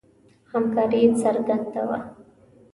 همکاري څرګنده وه.